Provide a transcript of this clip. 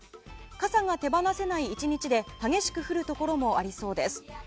傘が手放せない１日で激しく降るところもありそうです。